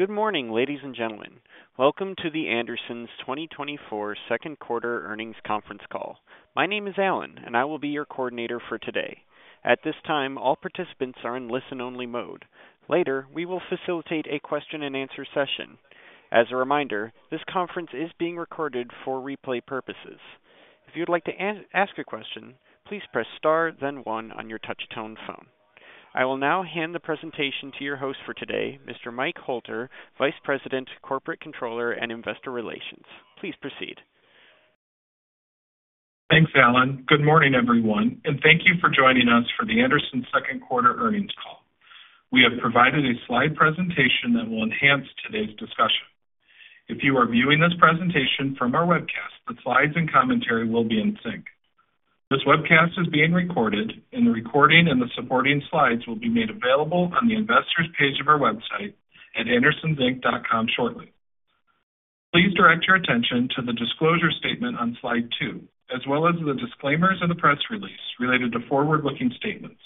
Good morning, ladies and gentlemen. Welcome to The Andersons 2024 second quarter earnings conference call. My name is Alan, and I will be your coordinator for today. At this time, all participants are in listen-only mode. Later, we will facilitate a question-and-answer session. As a reminder, this conference is being recorded for replay purposes. If you'd like to ask a question, please press Star, then one on your touch-tone phone. I will now hand the presentation to your host for today, Mr. Mike Hoelter, Vice President, Corporate Controller, and Investor Relations. Please proceed. Thanks, Alan. Good morning, everyone, and thank you for joining us for The Andersons second quarter earnings call. We have provided a slide presentation that will enhance today's discussion. If you are viewing this presentation from our webcast, the slides and commentary will be in sync. This webcast is being recorded, and the recording and the supporting slides will be made available on the Investors page of our website at andersonsinc.com shortly. Please direct your attention to the disclosure statement on slide two, as well as the disclaimers in the press release related to forward-looking statements.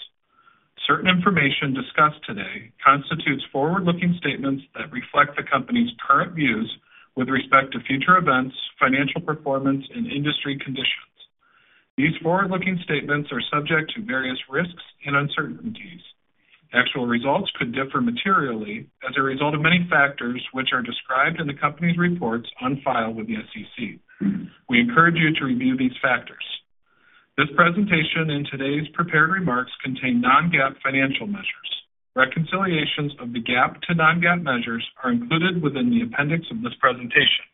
Certain information discussed today constitutes forward-looking statements that reflect the company's current views with respect to future events, financial performance, and industry conditions. These forward-looking statements are subject to various risks and uncertainties. Actual results could differ materially as a result of many factors, which are described in the company's reports on file with the SEC. We encourage you to review these factors. This presentation and today's prepared remarks contain non-GAAP financial measures. Reconciliations of the GAAP to non-GAAP measures are included within the appendix of this presentation.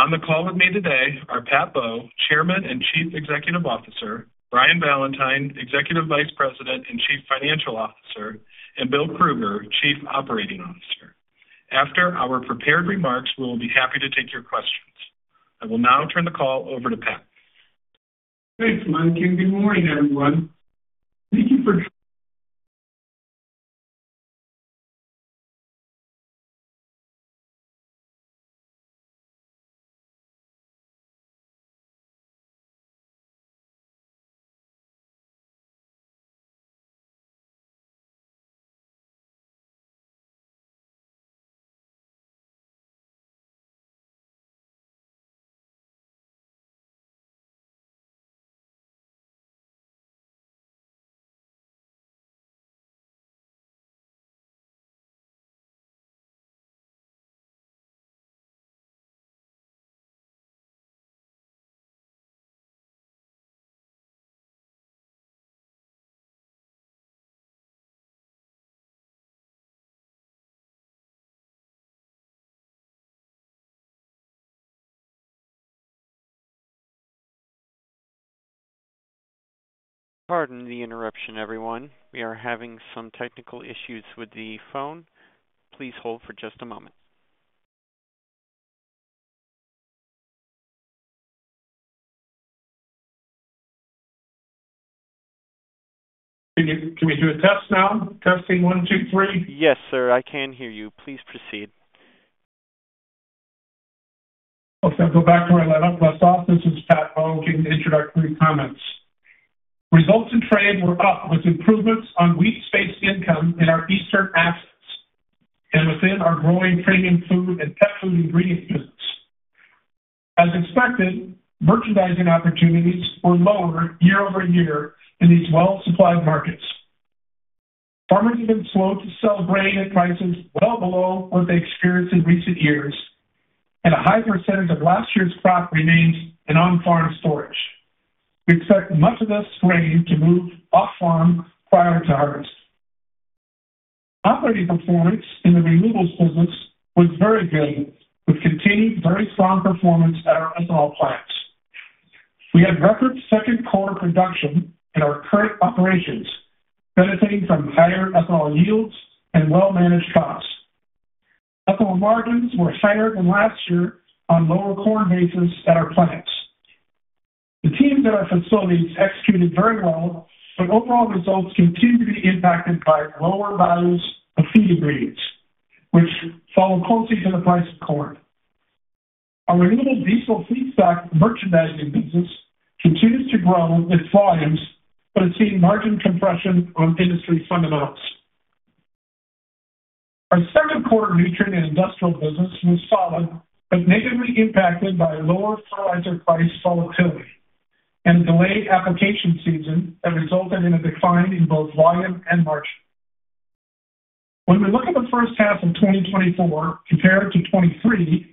On the call with me today are Pat Bowe, Chairman and Chief Executive Officer, Brian Valentine, Executive Vice President and Chief Financial Officer, and Bill Krueger, Chief Operating Officer. After our prepared remarks, we will be happy to take your questions. I will now turn the call over to Pat. Thanks, Mike, and good morning, everyone. Thank you for... Pardon the interruption, everyone. We are having some technical issues with the phone. Please hold for just a moment. Can we do a test now? Testing 1, 2, 3. Yes, sir, I can hear you. Please proceed. Okay, I'll go back to where I left off. This is Pat Bowe, giving the introductory comments. Results in Trade were up, with improvements on wheat basis income in our eastern assets and within our growing premium food and pet food ingredient business. As expected, merchandising opportunities were lower year-over-year in these well-supplied markets. Farmers have been slow to sell grain at prices well below what they experienced in recent years, and a high percentage of last year's crop remains in on-farm storage. We expect much of this grain to move off-farm prior to harvest. Operating performance in the Renewables business was very good, with continued very strong performance at our ethanol plants. We had record second quarter production in our current operations, benefiting from higher ethanol yields and well-managed costs. Ethanol margins were higher than last year on lower corn basis at our plants. The teams at our facilities executed very well, but overall results continue to be impacted by lower values of feed grades, which follow closely to the price of corn. Our renewable diesel feedstock merchandising business continues to grow its volumes, but it's seeing margin compression on industry fundamentals. Our Nutrient and Industrial business was solid, but negatively impacted by lower fertilizer price volatility and delayed application season that resulted in a decline in both volume and margin. When we look at the first half of 2024 compared to 2023,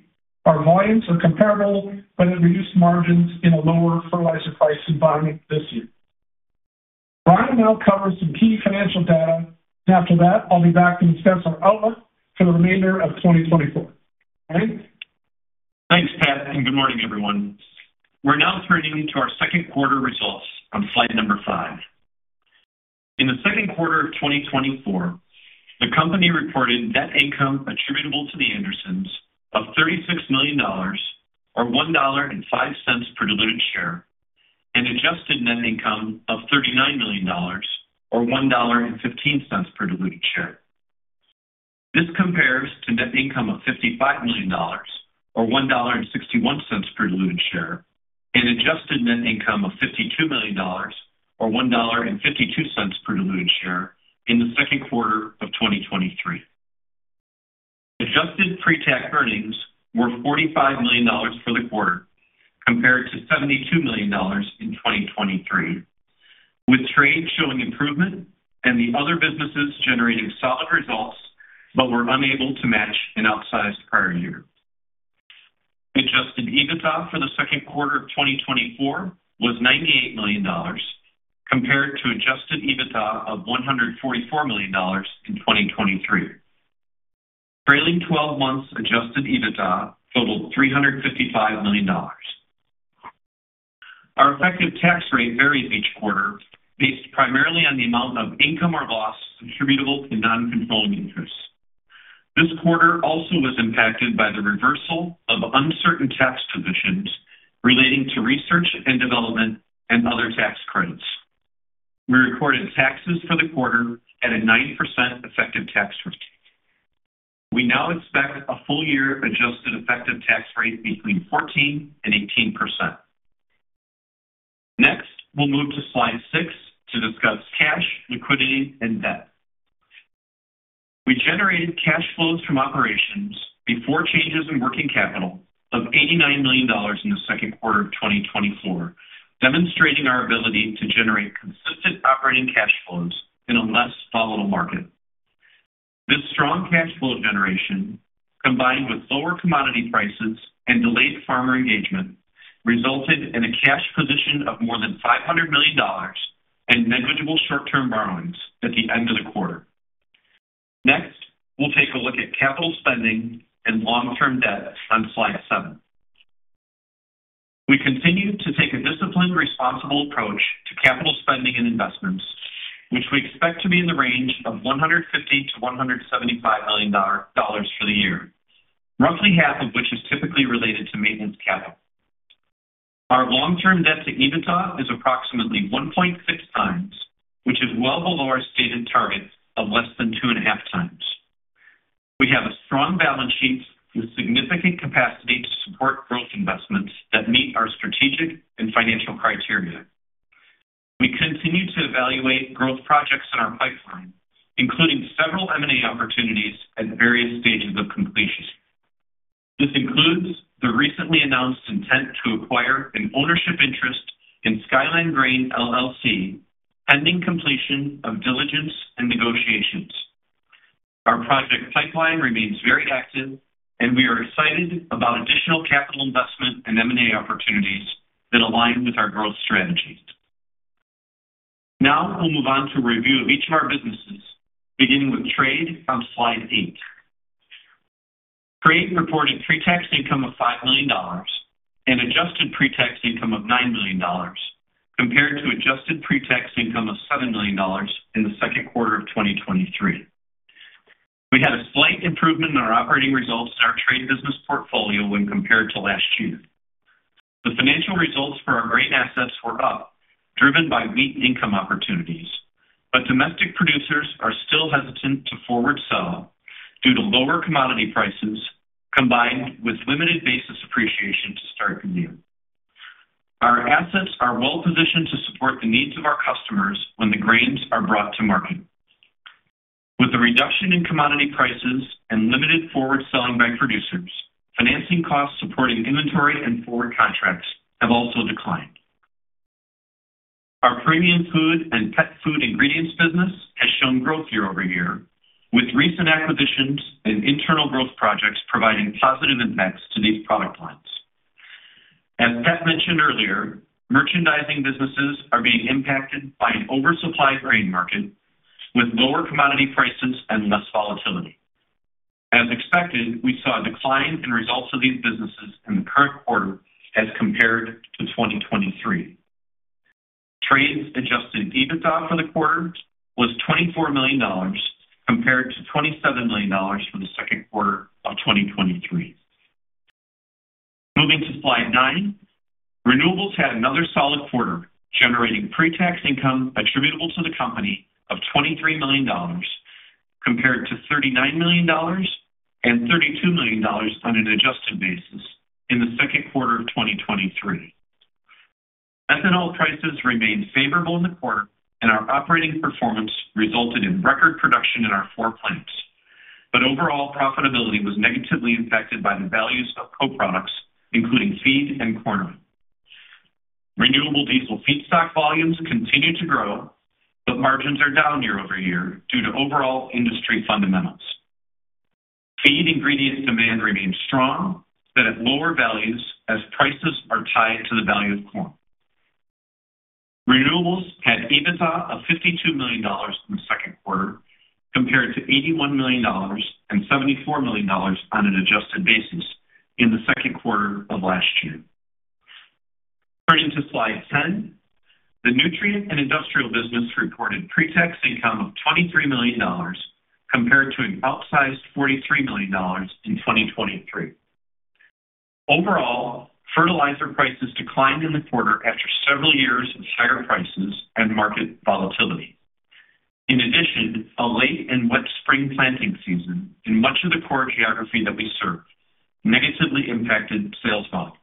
our volumes are comparable, but it reduced margins in a lower fertilizer price environment this year. Brian will now cover some key financial data, and after that, I'll be back to discuss our outlook for the remainder of 2024. Brian? Thanks, Pat, and good morning, everyone. We're now turning to our second quarter results on slide 5. In the second quarter of 2024, the company reported net income attributable to The Andersons of $36 million, or $1.05 per diluted share, and adjusted net income of $39 million, or $1.15 per diluted share. This compares to net income of $55 million or $1.61 per diluted share and adjusted net income of $52 million or $1.52 per diluted share in the second quarter of 2023. Adjusted pre-tax earnings were $45 million for the quarter, compared to $72 million in 2023, with Trade showing improvement and the other businesses generating solid results, but were unable to match an outsized prior year. Adjusted EBITDA for the second quarter of 2024 was $98 million, compared to adjusted EBITDA of $144 million in 2023. Trailing twelve months adjusted EBITDA totaled $355 million. Our effective tax rate varies each quarter, based primarily on the amount of income or loss attributable to non-controlling interests. This quarter also was impacted by the reversal of uncertain tax positions relating to research and development and other tax credits. We recorded taxes for the quarter at a 90% effective tax rate. We now expect a full year adjusted effective tax rate between 14% and 18%. Next, we'll move to slide six to discuss cash, liquidity, and debt. We generated cash flows from operations before changes in working capital of $89 million in the second quarter of 2024, demonstrating our ability to generate consistent operating cash flows in a less volatile market. This strong cash flow generation, combined with lower commodity prices and delayed farmer engagement, resulted in a cash position of more than $500 million and negligible short-term borrowings at the end of the quarter. Next, we'll take a look at capital spending and long-term debt on slide 7. We continue to take a disciplined, responsible approach to capital spending and investments, which we expect to be in the range of $150-$175 million for the year, roughly half of which is typically related to maintenance capital. Our long-term debt to EBITDA is approximately 1.6 times, which is well below our stated target of less than 2.5 times. We have a strong balance sheet with significant capacity to support growth investments that meet our strategic and financial criteria. We continue to evaluate growth projects in our pipeline, including several M&A opportunities at various stages of completion. This includes the recently announced intent to acquire an ownership interest in Skyland Grain, LLC, pending completion of diligence and negotiations. Our project pipeline remains very active, and we are excited about additional capital investment and M&A opportunities that align with our growth strategy. Now we'll move on to a review of each of our businesses, beginning with Trade on slide 8. Trade reported pre-tax income of $5 million and adjusted pre-tax income of $9 million, compared to adjusted pre-tax income of $7 million in the second quarter of 2023. We had a slight improvement in our operating results in our Trade business portfolio when compared to last year. The financial results for our grain assets were up, driven by wheat income opportunities, but domestic producers are still hesitant to forward sell due to lower commodity prices, combined with limited basis appreciation to start the year. Our assets are well positioned to support the needs of our customers when the grains are brought to market. With the reduction in commodity prices and limited forward selling by producers, financing costs supporting inventory and forward contracts have also declined. Our premium food and pet food ingredients business has shown growth year-over-year, with recent acquisitions and internal growth projects providing positive impacts to these product lines. As Pat mentioned earlier, merchandising businesses are being impacted by an oversupplied grain market with lower commodity prices and less volatility. As expected, we saw a decline in results of these businesses in the current quarter as compared to 2023. Trade's Adjusted EBITDA for the quarter was $24 million, compared to $27 million for the second quarter of 2023. Moving to slide 9. Renewables had another solid quarter, generating pre-tax income attributable to the company of $23 million, compared to $39 million and $32 million on an adjusted basis in the second quarter of 2023. Ethanol prices remained favorable in the quarter, and our operating performance resulted in record production in our four plants. But overall profitability was negatively impacted by the values of co-products, including feed and corn. Renewable diesel feedstock volumes continue to grow, but margins are down year-over-year due to overall industry fundamentals. Feed ingredient demand remains strong, but at lower values as prices are tied to the value of corn. Renewables had EBITDA of $52 million in the second quarter, compared to $81 million and $74 million on an adjusted basis in the second quarter of last year. Turning to slide 10. The Nutrient and Industrial business reported pre-tax income of $23 million, compared to an outsized $43 million in 2023. Overall, fertilizer prices declined in the quarter after several years of higher prices and market volatility.... In addition, a late and wet spring planting season in much of the core geography that we serve negatively impacted sales volume.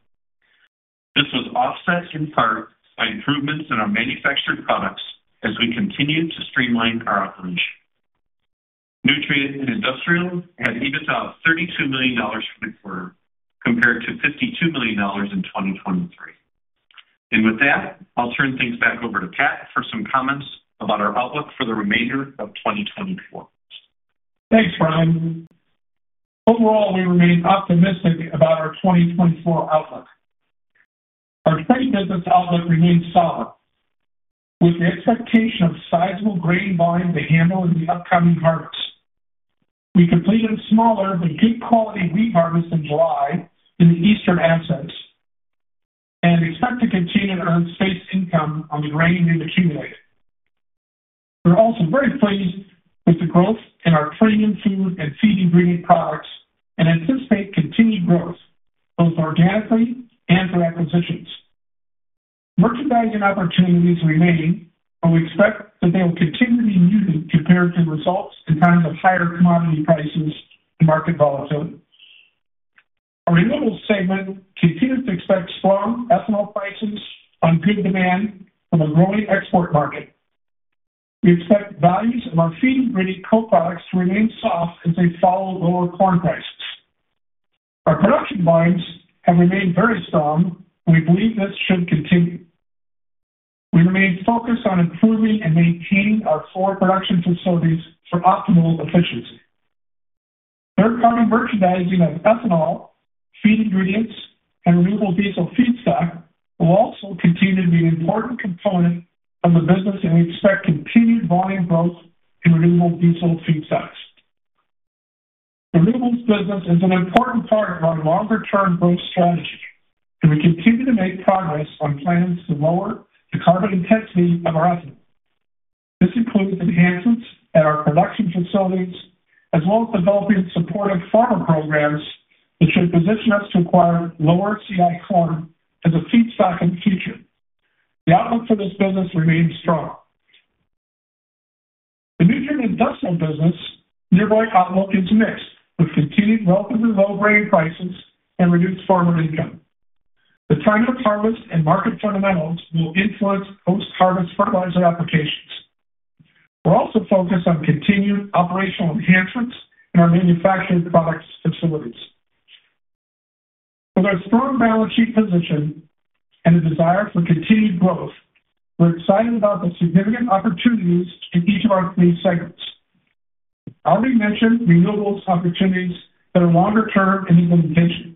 This was offset in part by improvements in our manufactured products as we continued to streamline our operations. Nutrient and Industrial had EBITDA of $32 million for the quarter, compared to $52 million in 2023. With that, I'll turn things back over to Pat for some comments about our outlook for the remainder of 2024. Thanks, Brian. Overall, we remain optimistic about our 2024 outlook. Our Trade business outlook remains solid, with the expectation of sizable grain volume to handle in the upcoming harvest. We completed smaller but good quality wheat harvest in July in the eastern assets and expect to continue to earn basis income on the grain we've accumulated. We're also very pleased with the growth in our premium food and feed ingredient products and anticipate continued growth, both organically and through acquisitions. Merchandising opportunities remain, but we expect that they will continue to be muted compared to results in times of higher commodity prices and market volatility. Our Renewables segment continues to expect strong ethanol prices on good demand from a growing export market. We expect values of our feed-grade co-products to remain soft as they follow lower corn prices. Our production volumes have remained very strong, and we believe this should continue. We remain focused on improving and maintaining our four production facilities for optimal efficiency. Third-party merchandising of ethanol, feed ingredients, and renewable diesel feedstock will also continue to be an important component of the business, and we expect continued volume growth in renewable diesel feedstocks. The Renewables business is an important part of our longer-term growth strategy, and we continue to make progress on plans to lower the carbon intensity of our ethanol. This includes enhancements at our production facilities as well as developing supportive farmer programs that should position us to acquire lower CI corn as a feedstock in the future. The outlook for this business remains strong. The Plant Nutrient business near-term outlook is mixed, with continued low grain prices and reduced farmer income. The timing of harvest and market fundamentals will influence post-harvest fertilizer applications. We're also focused on continued operational enhancements in our manufactured products facilities. With our strong balance sheet position and the desire for continued growth, we're excited about the significant opportunities in each of our three segments. I already mentioned renewables opportunities that are longer term and even additional.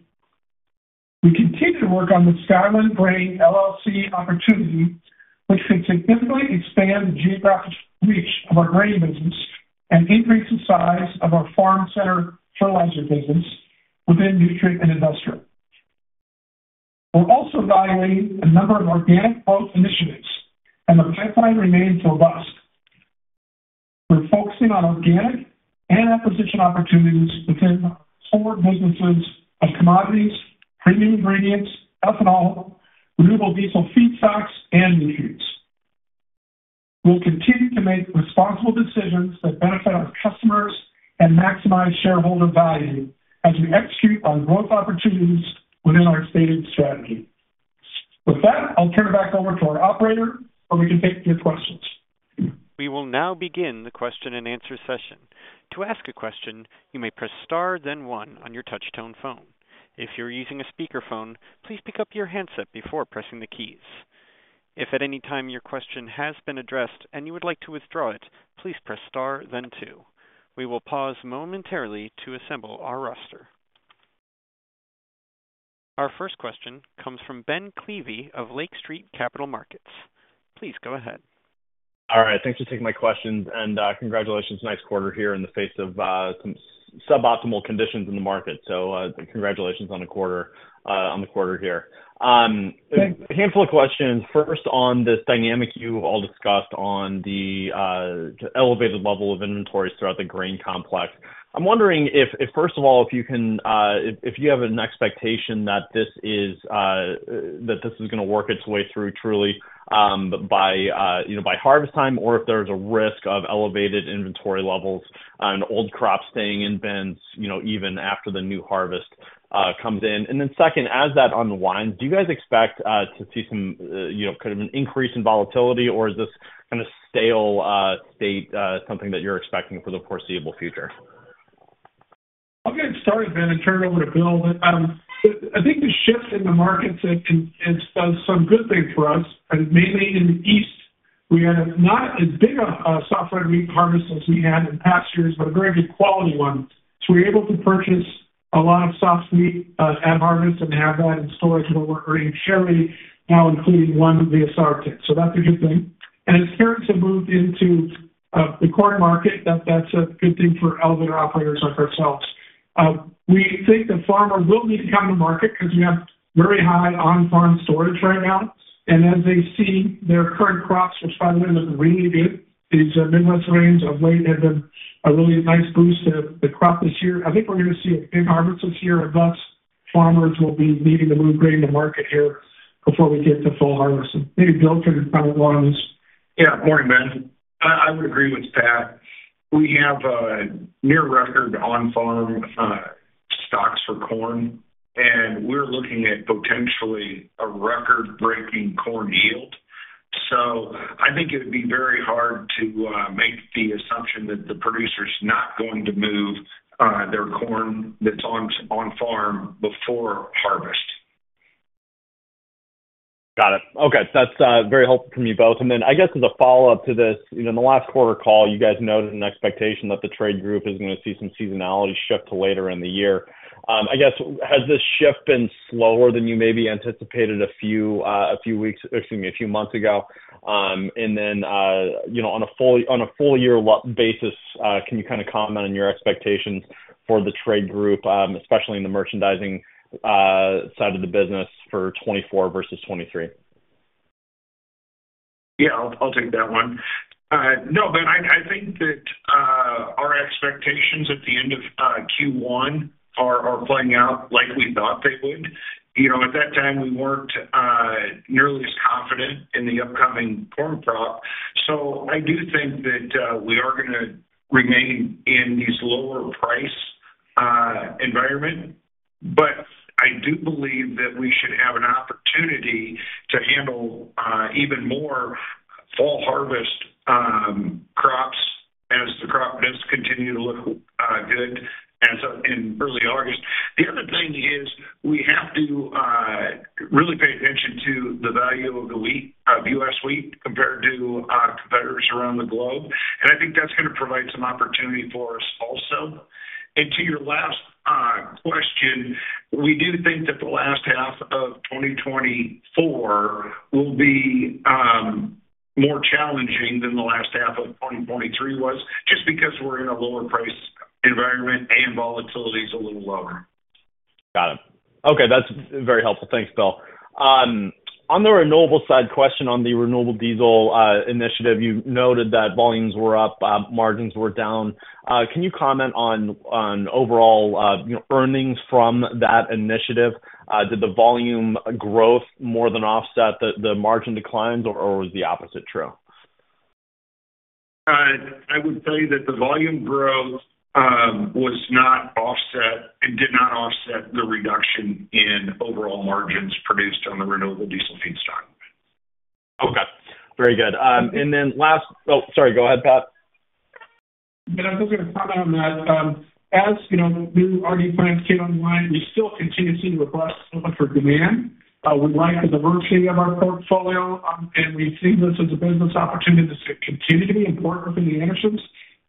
We continue to work on the Skyland Grain, LLC opportunity, which can significantly expand the geographic reach of our grain business and increase the size of our farm center fertilizer business within Nutrient and Industrial. We're also evaluating a number of organic growth initiatives, and the pipeline remains robust. We're focusing on organic and acquisition opportunities within our core businesses of commodities, premium ingredients, ethanol, renewable diesel feedstocks, and nutrients. We'll continue to make responsible decisions that benefit our customers and maximize shareholder value as we execute on growth opportunities within our stated strategy. With that, I'll turn it back over to our operator, and we can take your questions. We will now begin the question-and-answer session. To ask a question, you may press star, then one on your touchtone phone. If you're using a speakerphone, please pick up your handset before pressing the keys. If at any time your question has been addressed and you would like to withdraw it, please press star then two. We will pause momentarily to assemble our roster. Our first question comes from Ben Klieve of Lake Street Capital Markets. Please go ahead. All right, thanks for taking my questions. And, congratulations. Nice quarter here in the face of, some suboptimal conditions in the market. So, congratulations on the quarter, on the quarter here. A handful of questions. First, on this dynamic you have all discussed on the, elevated level of inventories throughout the grain complex. I'm wondering if, first of all, if you can, if you have an expectation that this is, that this is gonna work its way through truly, by, you know, by harvest time, or if there's a risk of elevated inventory levels and old crops staying in bins, you know, even after the new harvest, comes in. And then second, as that unwinds, do you guys expect, to see some, you know, kind of an increase in volatility? Or is this kind of stable state something that you're expecting for the foreseeable future? I'll get started, Ben, and turn it over to Bill. I think the shift in the markets does some good things for us, and mainly in the East. We had not as big a soft red wheat harvest as we had in past years, but a very good quality one. So we were able to purchase a lot of soft wheat at harvest and have that in storage where we're earning carry now, including Ontario SRW. So that's a good thing. And as carry has moved into the corn market, that's a good thing for elevator operators like ourselves. We think the farmer will need to come to market because we have very high on-farm storage right now, and as they see their current crops, which by the way, look really good, these Midwest rains of late have been a really nice boost to the crop this year. I think we're going to see a big harvest this year, but farmers will be needing to move grain to market here before we get to full harvest. Maybe Bill can comment on this. Yeah, morning, Ben. I would agree with Pat. We have a near record on-farm stocks for corn, and we're looking at potentially a record-breaking corn yield. So I think it would be very hard to make the assumption that the producer's not going to move their corn that's on-farm before harvest. Got it. Okay. That's very helpful from you both. And then I guess, as a follow-up to this, you know, in the last quarter call, you guys noted an expectation that the Trade group is gonna see some seasonality shift to later in the year. I guess, has this shift been slower than you maybe anticipated a few weeks, excuse me, a few months ago? And then, you know, on a full year basis, can you kind of comment on your expectations for the Trade group, especially in the merchandising side of the business for 2024 versus 2023? Yeah, I'll take that one. No, but I think that our expectations at the end of Q1 are playing out like we thought they would. You know, at that time, we weren't nearly as confident in the upcoming corn crop. So I do think that we are gonna remain in these lower price environment. But I do believe that we should have an opportunity to handle even more fall harvest crops as the crop does continue to look good, as of in early August. The other thing is, we have to really pay attention to the value of the wheat, of U.S. wheat compared to competitors around the globe, and I think that's gonna provide some opportunity for us also. To your last question, we do think that the last half of 2024 will be more challenging than the last half of 2023 was, just because we're in a lower price environment and volatility is a little lower. Got it. Okay, that's very helpful. Thanks, Bill. On the renewable side, question on the renewable diesel initiative. You noted that volumes were up, margins were down. Can you comment on overall, you know, earnings from that initiative? Did the volume growth more than offset the margin declines, or was the opposite true? I would tell you that the volume growth was not offset and did not offset the reduction in overall margins produced on the renewable diesel feedstock. Okay. Very good. And then last. Oh, sorry, go ahead, Pat. Yeah, I'm just gonna comment on that. As you know, new RD plants came online, we still continue to see robust demand for. We like the diversity of our portfolio, and we see this as a business opportunity to continue to be important for The Andersons.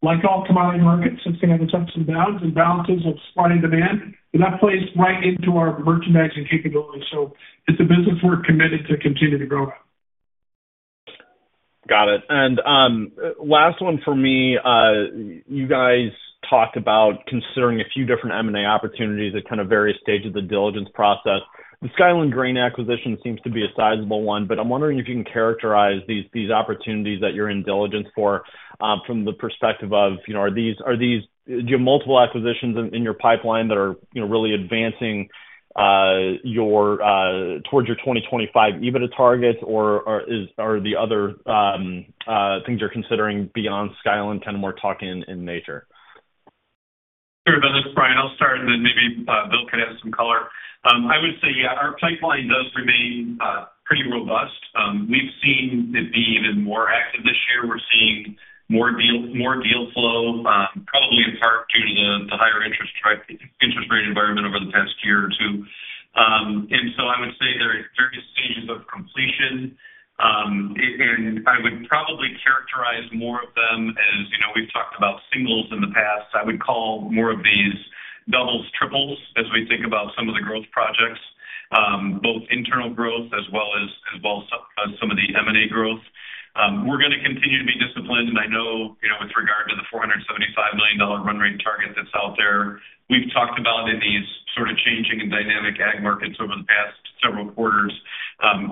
Like all commodity markets, it's gonna have some ups and downs and balances of supply and demand, and that plays right into our merchandising capabilities. So it's a business we're committed to continue to grow. Got it. And last one for me, you guys talked about considering a few different M&A opportunities at kind of various stages of the diligence process. The Skyland Grain acquisition seems to be a sizable one, but I'm wondering if you can characterize these opportunities that you're in diligence for from the perspective of, you know, are these—do you have multiple acquisitions in your pipeline that are, you know, really advancing your towards your 2025 EBITDA targets, or are the other things you're considering beyond Skyland kind of more talking in nature? Sure, Ben, this is Brian. I'll start, and then maybe Bill can add some color. I would say, yeah, our pipeline does remain pretty robust. We've seen it be even more active this year. We're seeing more deal, more deal flow, probably in part due to the higher interest rate environment over the past year or two. And so I would say there are various stages of completion. And I would probably characterize more of them as, you know, we've talked about singles in the past. I would call more of these doubles, triples, as we think about some of the growth projects, both internal growth as well as some of the M&A growth. We're gonna continue to be disciplined, and I know, you know, with regard to the $475 million run rate target that's out there, we've talked about in these sort of changing and dynamic ag markets over the past several quarters.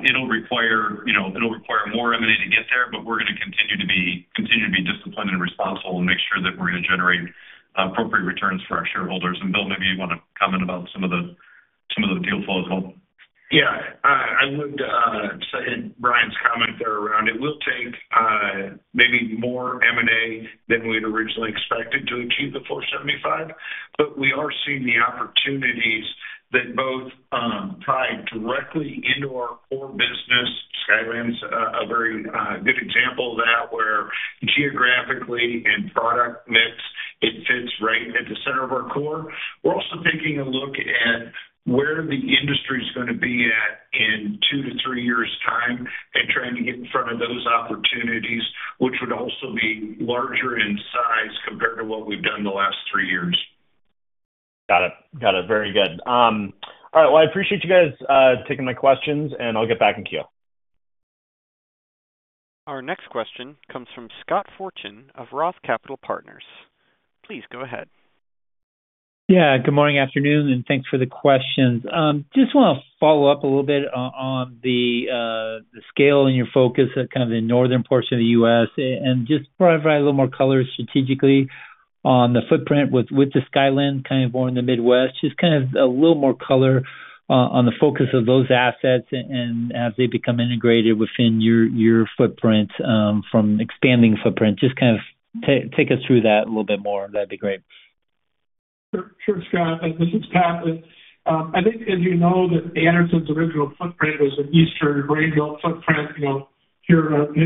It'll require, you know, it'll require more M&A to get there, but we're gonna continue to be, continue to be disciplined and responsible and make sure that we're gonna generate appropriate returns for our shareholders. And Bill, maybe you want to comment about some of the, some of the deal flow as well. Yeah. I would second Brian's comment there around it. We'll take maybe more M&A than we'd originally expected to achieve the $475 million, but we are seeing the opportunities that both tie directly into our core business. Skyland's a very good example of that, where geographically and product mix, it fits right at the center of our core. We're also taking a look at where the industry's gonna be at in 2-3 years' time and trying to get in front of those opportunities, which would also be larger in size compared to what we've done the last 3 years. Got it. Got it. Very good. All right, well, I appreciate you guys taking my questions, and I'll get back in queue. Our next question comes from Scott Fortune of Roth Capital Partners. Please go ahead. Yeah, good morning, afternoon, and thanks for the questions. Just wanna follow up a little bit on the, scale and your focus at kind of the northern portion of the U.S., and just provide a little more color strategically on the footprint with, with the Skyland kind of more in the Midwest. Just kind of a little more color on the focus of those assets and as they become integrated within your, your footprint, from expanding footprint. Just kind of take us through that a little bit more. That'd be great. Sure, sure, Scott. This is Pat. I think, as you know, that The Andersons' original footprint was an Eastern Grain Belt footprint, you know, here,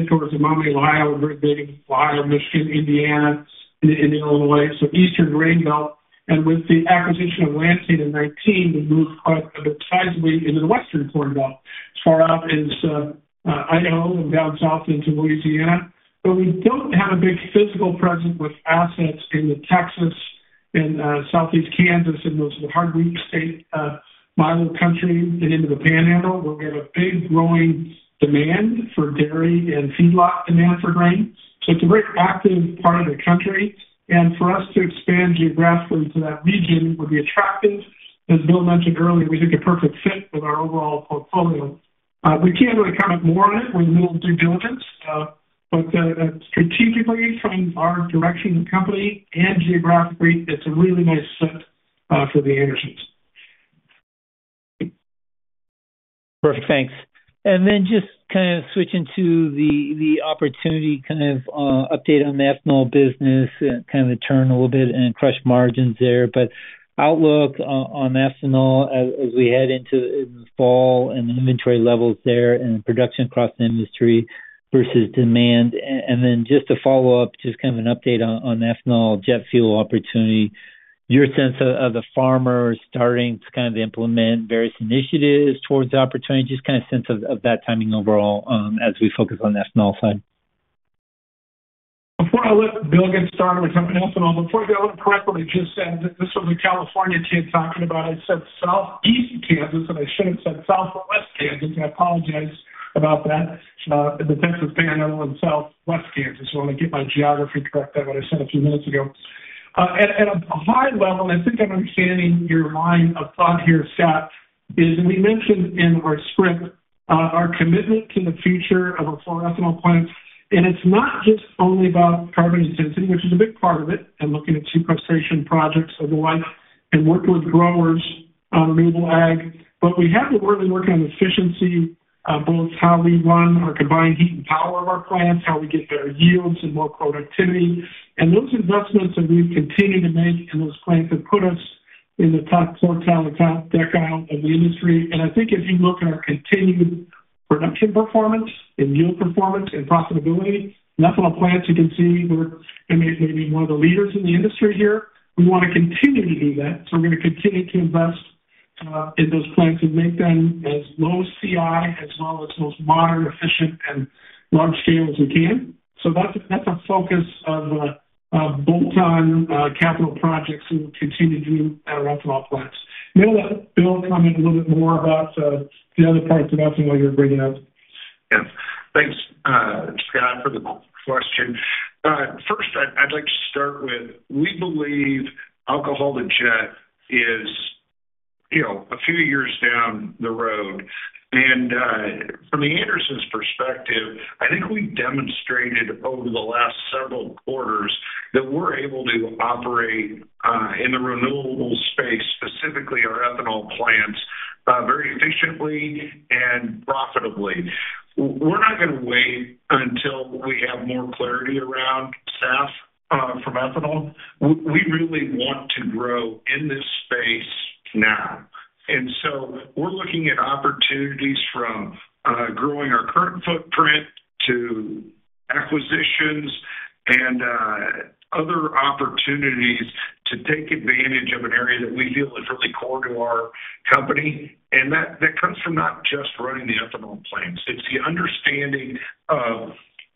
towards Maumee, Ohio, very big, Iowa, Michigan, Indiana, in Illinois. So Eastern Grain Belt, and with the acquisition of Lansing in 2019, we moved quite a bit sizably into the Western Corn Belt, as far out as Idaho and down south into Louisiana. But we don't have a big physical presence with assets in Texas and Southwest Kansas, and those are the hard wheat state, milo country and into the Panhandle, where we have a big growing demand for dairy and feedlot demand for grain. So it's a very active part of the country, and for us to expand geographically into that region would be attractive. As Bill mentioned earlier, we think a perfect fit with our overall portfolio. We can't really comment more on it. We're in the middle of due diligence, but strategically, from our direction of the company and geographically, it's a really nice fit for The Andersons. Perfect, thanks. And then just kind of switching to the opportunity, kind of update on the ethanol business, kind of turn a little bit and crush margins there. But outlook on ethanol as we head into the fall and the inventory levels there and production across the industry versus demand. And then just to follow up, just kind of an update on ethanol jet fuel opportunity, your sense of the farmers starting to kind of implement various initiatives towards the opportunity, just kind of sense of that timing overall, as we focus on the ethanol side. Before I let Bill get started with something ethanol, before I go, correctly, just said that this was a California kid talking about. I said Southeast Kansas, and I should have said Southwest Kansas, and I apologize about that. The difference of Panhandle in Southwest Kansas. I want to get my geography correct on what I said a few minutes ago. At a high level, I think I'm understanding your line of thought here, Scott, as we mentioned in our script our commitment to the future of our four ethanol plants, and it's not just only about carbon intensity, which is a big part of it, and looking at sequestration projects of the like, and working with growers on renewable ag, but we have been really working on efficiency, both how we run our combined heat and power of our plants, how we get better yields and more productivity. And those investments that we've continued to make in those plants have put us in the top quartile or top decile of the industry. And I think if you look at our continued production performance and yield performance and profitability, ethanol plants, you can see we're maybe one of the leaders in the industry here. We want to continue to be that, so we're going to continue to invest in those plants and make them as low CI, as well as most modern, efficient and large scale as we can. So that's a focus of bolt-on capital projects, and we'll continue to do at our ethanol plants. I'm gonna let Bill comment a little bit more about the other parts of ethanol you're bringing up. Yes. Thanks, Scott, for the question. First, I'd like to start with, we believe alcohol-to-jet is, you know, a few years down the road. And, from The Andersons' perspective, I think we've demonstrated over the last several quarters that we're able to operate in the renewable space, specifically our ethanol plants, very efficiently and profitably. We're not gonna wait until we have more clarity around SAF from ethanol. We really want to grow in this space now, and so we're looking at opportunities from growing our current footprint to acquisitions and other opportunities to take advantage of an area that we feel is really core to our company. And that comes from not just running the ethanol plants, it's the understanding of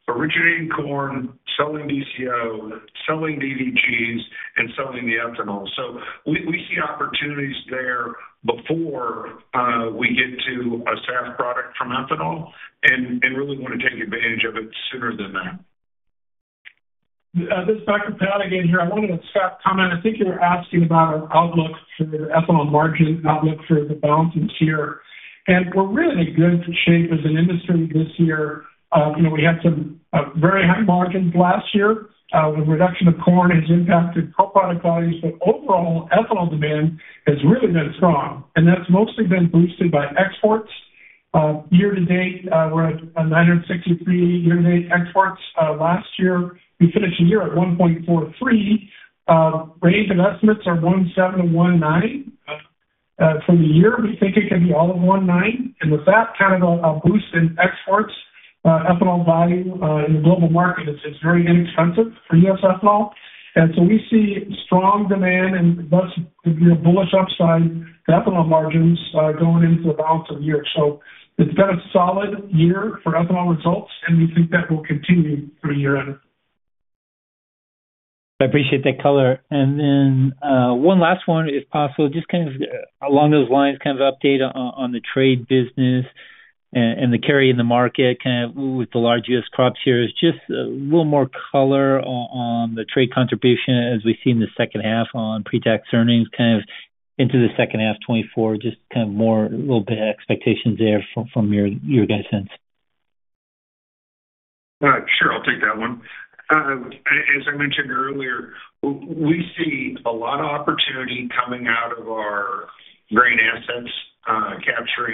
originating corn, selling DCO, selling DDGS, and selling the ethanol. So we see opportunities there before we get to a SAF product from ethanol and really want to take advantage of it sooner than that. This is back to Pat again here. I wanted to, Scott, comment. I think you were asking about our outlook for the ethanol margin, outlook for the balance this year, and we're really in good shape as an industry this year. You know, we had some very high margins last year. The reduction of corn has impacted co-product volumes, but overall, ethanol demand has really been strong, and that's mostly been boosted by exports. Year to date, we're at 963 year-to-date exports. Last year, we finished the year at 1.43. Range and estimates are 1.7-1.9. For the year, we think it can be all of 19, and with that kind of a boost in exports, ethanol value in the global market, it's very inexpensive for U.S. ethanol. And so we see strong demand and thus the bullish upside to ethanol margins going into the balance of the year. So it's been a solid year for ethanol results, and we think that will continue through year end. I appreciate that color. And then, one last one, if possible. Just kind of along those lines, kind of update on the Trade business and the carry in the market, kind of with the largest crops here, is just a little more color on the Trade contribution as we see in the second half on pre-tax earnings, kind of into the second half of 2024? Just kind of more, a little bit of expectations there from your guy's sense. Sure, I'll take that one. As I mentioned earlier, we see a lot of opportunity coming out of our grain assets,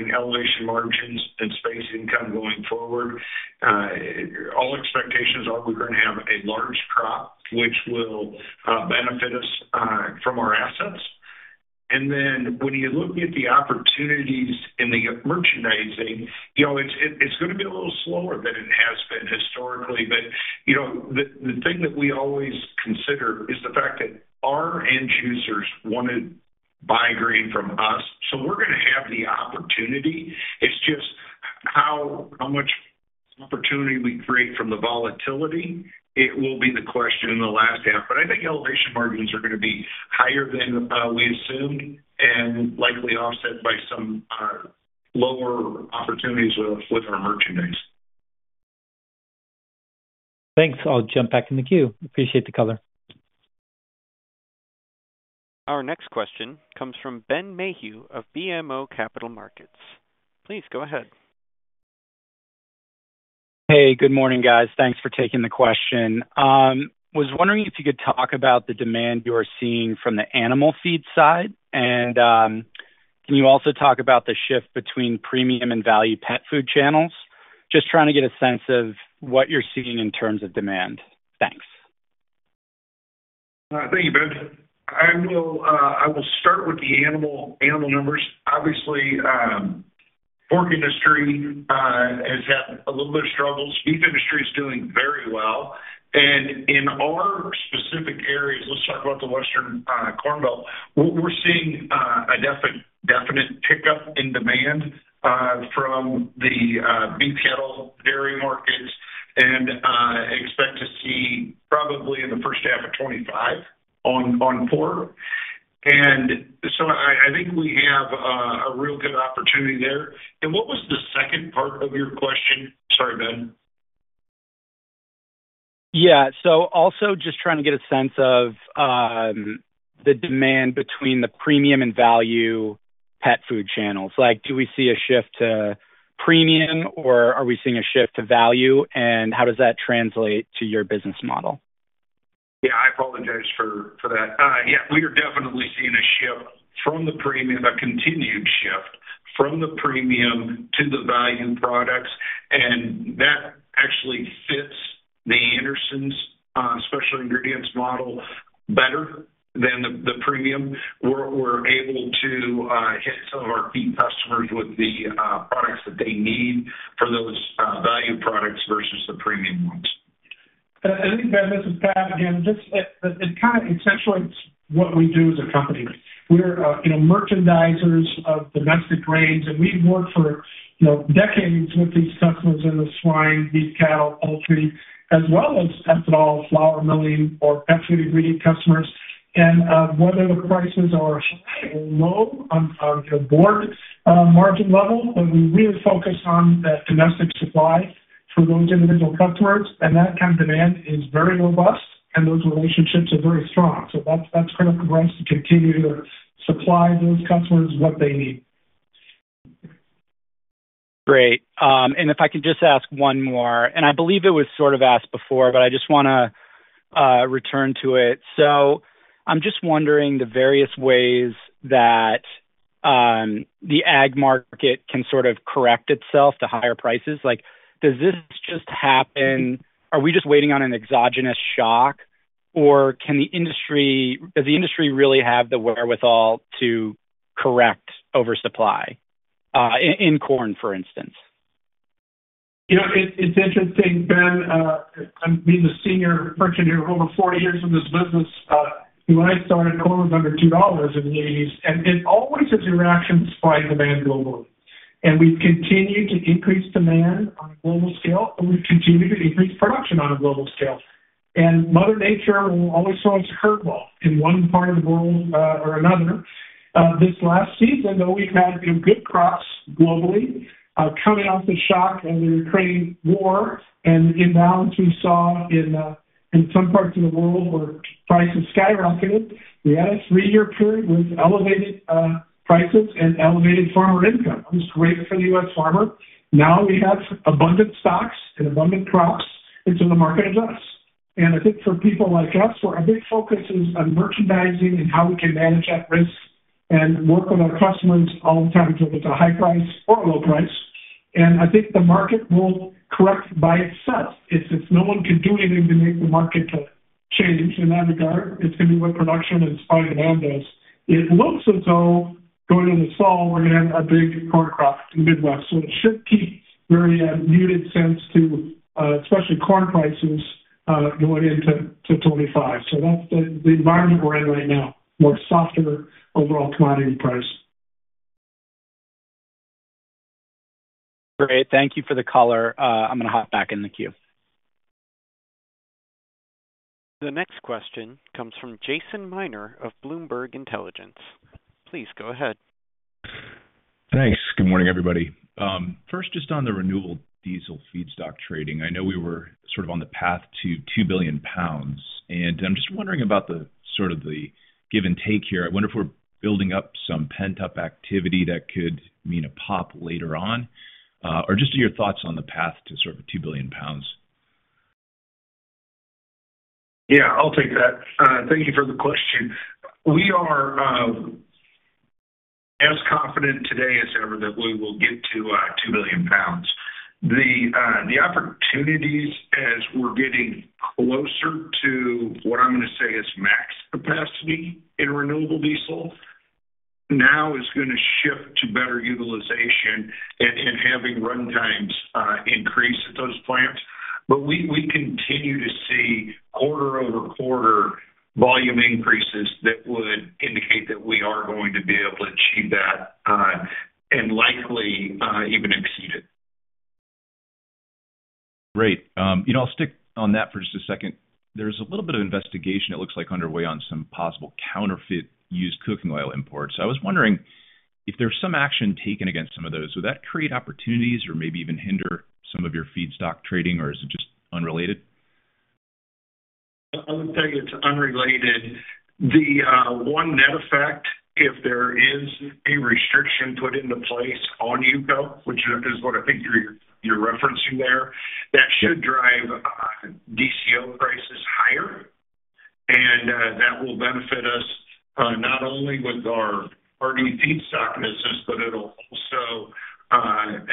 capturing elevation margins and space income going forward. All expectations are we're gonna have a large crop, which will benefit us from our assets. And then when you look at the opportunities in the merchandising, you know, it's gonna be a little slower than it has been historically. But, you know, the thing that we always consider is the fact that our end users want to buy grain from us, so we're gonna have the opportunity. It's just how much opportunity we create from the volatility, it will be the question in the last half. But I think elevation margins are gonna be higher than we assumed and likely offset by some lower opportunities with our merchandise. Thanks. I'll jump back in the queue. Appreciate the color. Our next question comes from Ben Bienvenu of Stephens Inc. Please go ahead. Hey, good morning, guys. Thanks for taking the question. Was wondering if you could talk about the demand you are seeing from the animal feed side, and, can you also talk about the shift between premium and value pet food channels? Just trying to get a sense of what you're seeing in terms of demand. Thanks. Thank you, Ben. I will start with the animal numbers. Obviously, pork industry has had a little bit of struggles. Beef industry is doing very well. And in our specific areas, let's talk about the Western Corn Belt. We're seeing a definite pickup in demand from the beef cattle, dairy markets, and expect to see probably in the first half of 2025 on pork. And so I think we have a real good opportunity there. And what was the second part of your question? Sorry, Ben. Yeah. So also just trying to get a sense of the demand between the premium and value pet food channels. Like, do we see a shift to premium, or are we seeing a shift to value? And how does that translate to your business model? Yeah, I apologize for that. Yeah, we are definitely seeing a shift from the premium, a continued shift from the premium to the value products, and that actually fits The Andersons' special ingredients model better than the premium. We're able to hit some of our key customers with the products that they need for those value products versus the premium ones. I think, Ben, this is Pat again. Just, it kind of essentially, it's what we do as a company. We're, you know, merchandisers of domestic grains, and we've worked for, you know, decades with these customers in the swine, beef, cattle, poultry, as well as ethanol, flour milling or pet food ingredient customers. And, whether the prices are high or low on, on the board, margin level, but we really focus on that domestic supply for those individual customers, and that kind of demand is very robust, and those relationships are very strong. So that's, that's critical for us to continue to supply those customers what they need. Great. And if I could just ask one more, and I believe it was sort of asked before, but I just wanna return to it. So I'm just wondering the various ways that the ag market can sort of correct itself to higher prices. Like, does this just happen? Are we just waiting on an exogenous shock, or can the industry, does the industry really have the wherewithal to correct oversupply in corn, for instance? You know, it's interesting, Ben. I'm the senior merchant here, over 40 years in this business. When I started, corn was under $2 in the 1980s, and it always is in reaction to supply and demand globally. And we've continued to increase demand on a global scale, and we've continued to increase production on a global scale. And Mother Nature will always throw us a curveball in one part of the world or another. This last season, though, we've had, you know, good crops globally, coming off the shock and the Ukraine war and the imbalance we saw in some parts of the world where prices skyrocketed. We had a 3-year period with elevated prices and elevated farmer income. It was great for the U.S. farmer. Now we have abundant stocks and abundant crops, and so the market adjusts. And I think for people like us, so our big focus is on merchandising and how we can manage that risk and work with our customers all the time, so if it's a high price or a low price, and I think the market will correct by itself. It's. No one can do anything to make the market change in that regard. It's gonna be what production and supply and demand is. It looks as though, going into the fall, we're gonna have a big corn crop in the Midwest, so it should keep very muted sense to especially corn prices going into 2025. So that's the environment we're in right now, more softer overall commodity price. Great. Thank you for the color. I'm gonna hop back in the queue. The next question comes from Jason Miner of Bloomberg Intelligence. Please go ahead. Thanks. Good morning, everybody. First, just on the renewable diesel feedstock trading, I know we were sort of on the path to 2 billion pounds, and I'm just wondering about the sort of the give and take here. I wonder if we're building up some pent-up activity that could mean a pop later on. Or just your thoughts on the path to sort of 2 billion pounds. Yeah, I'll take that. Thank you for the question. We are as confident today as ever that we will get to 2 billion pounds. The opportunities as we're getting closer to what I'm going to say is max capacity in renewable diesel, now is gonna shift to better utilization and having runtimes increase at those plants. But we continue to see quarter-over-quarter volume increases that would indicate that we are going to be able to achieve that and likely even exceed it. Great. You know, I'll stick on that for just a second. There's a little bit of investigation, it looks like, underway on some possible counterfeit used cooking oil imports. I was wondering if there's some action taken against some of those, would that create opportunities or maybe even hinder some of your feedstock trading, or is it just unrelated? I would tell you it's unrelated. The one net effect, if there is a restriction put into place on UCO, which is what I think you're referencing there, that should drive DCO prices higher. And that will benefit us not only with our RD feedstock business, but it'll also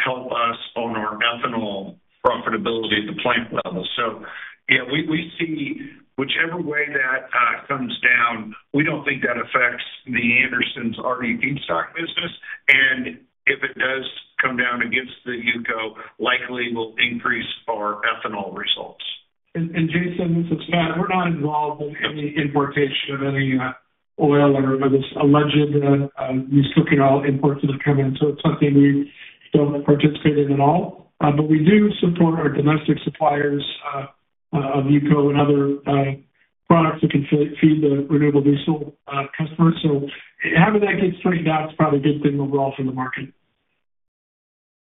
help us on our ethanol profitability at the plant level. So, yeah, we see whichever way that comes down, we don't think that affects The Andersons' RD feedstock business, and if it does come down against the UCO, likely will increase our ethanol results. Jason, this is Pat. We're not involved in any importation of any oil or this alleged used cooking oil imports that are coming in, so it's something we don't participate in at all. But we do support our domestic suppliers of UCO and other products that can feed the renewable diesel customers. So however that gets straightened out is probably a good thing overall for the market.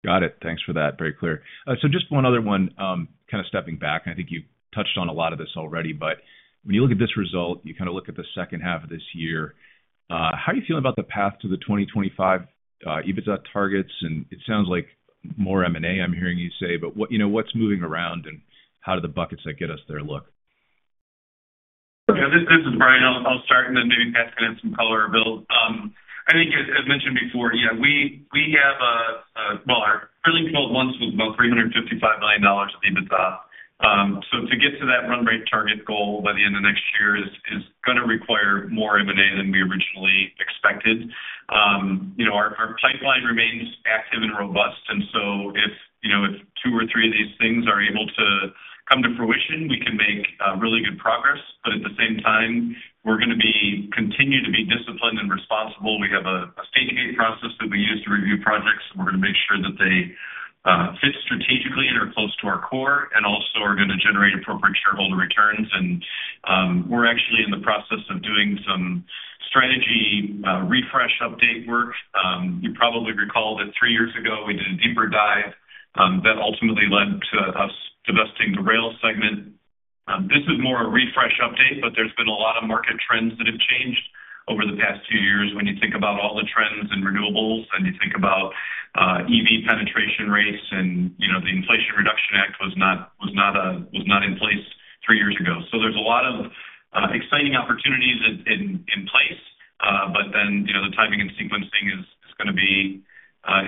Got it. Thanks for that. Very clear. So just one other one, kind of stepping back, and I think you touched on a lot of this already, but when you look at this result, you kind of look at the second half of this year, how are you feeling about the path to the 2025 EBITDA targets? And it sounds like more M&A, I'm hearing you say, but, you know, what's moving around and how do the buckets that get us there look? Yeah, this is Brian. I'll start and then maybe add some color, Bill. I think as mentioned before, yeah, we have, well, our trailing twelve months was about $355 million EBITDA. So to get to that run rate target goal by the end of next year is gonna require more M&A than we originally expected. You know, our pipeline remains active and robust, and so if, you know, if two or three of these things are able to come to fruition, we can make really good progress. But at the same time, we're gonna continue to be disciplined and responsible. We have a stage gate process that we use to review projects. We're gonna make sure that they fit strategically and are close to our core and also are gonna generate appropriate shareholder returns. We're actually in the process of doing some strategy refresh update work. You probably recall that three years ago, we did a deeper dive that ultimately led to us divesting the rail segment. This is more a refresh update, but there's been a lot of market trends that have changed over the past two years. When you think about all the trends in renewables and you think about EV penetration rates, and, you know, the Inflation Reduction Act was not, was not, was not in place three years ago. So there's a lot of exciting opportunities in place. But then, you know, the timing and sequencing is gonna be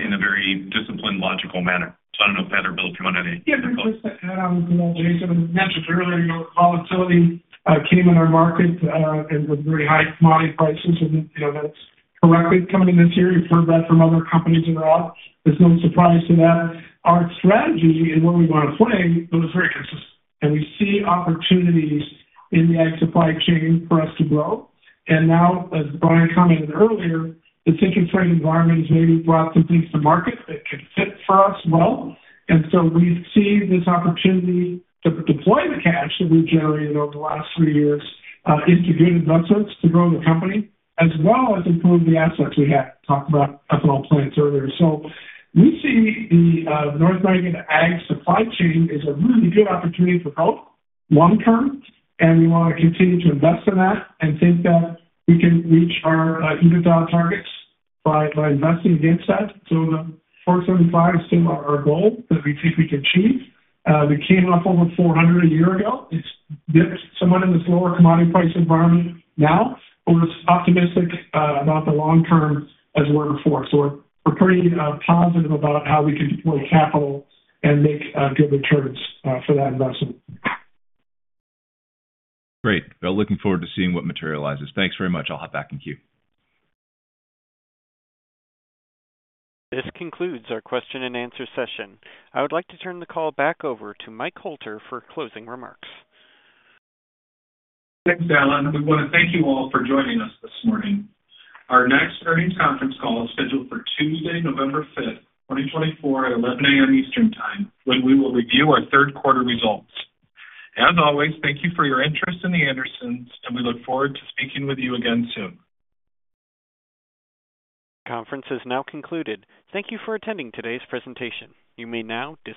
in a very disciplined, logical manner. So I don't know if, Pat or Bill, if you want to add any? Yeah, just to add on, Jason mentioned earlier, volatility came in our market and with very high commodity prices, and, you know, that's correctly coming in this year. You've heard that from other companies as well. There's no surprise to that. Our strategy and where we want to play, those are very consistent, and we see opportunities in the ag supply chain for us to grow. And now, as Brian commented earlier, the interest rate environment has maybe brought some things to market that could fit for us well. And so we see this opportunity to deploy the cash that we've generated over the last three years into good investments, to grow the company, as well as improve the assets we have. Talked about ethanol plants earlier. So we see the North American ag supply chain is a really good opportunity for growth long term, and we want to continue to invest in that and think that we can reach our EBITDA targets by investing against that. So the $475 million is still our goal that we think we can achieve. We came off over $400 million a year ago. It's dipped somewhat in this lower commodity price environment now, but we're optimistic about the long term as we're before. So we're pretty positive about how we can deploy capital and make good returns for that investment. Great. Well, looking forward to seeing what materializes. Thanks very much. I'll hop back in queue. This concludes our question and answer session. I would like to turn the call back over to Mike Hoelter for closing remarks. Thanks, Alan. We want to thank you all for joining us this morning. Our next earnings conference call is scheduled for Tuesday, November 5, 2024, at 11 A.M. Eastern Time, when we will review our third quarter results. As always, thank you for your interest in The Andersons, and we look forward to speaking with you again soon. Conference is now concluded. Thank you for attending today's presentation. You may now disconnect.